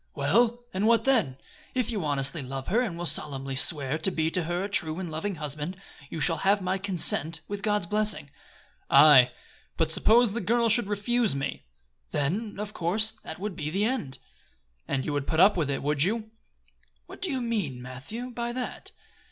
"Well, and what then? If you honestly love her, and will solemnly swear to be to her a true and loving husband, you shall have my consent, with God's blessing." "Aye, but suppose the girl should refuse me?" "Then, of course, that would be the end." "And you would put up with it, would you?" "What do you mean, Matthew, by that?"